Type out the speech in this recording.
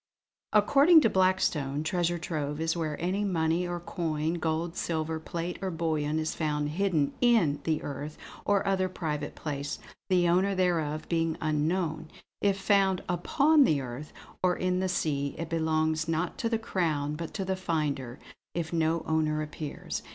"According to Blackstone, treasure trove is where any money or coin, gold, silver, plate or bullion is found hidden in the earth or other private place, the owner thereof being unknown. If found upon the earth, or in the sea, it belongs, not to the Crown, but to the finder, if no owner appears.